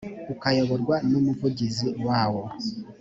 ukayoborwa n’umuvugizi wawo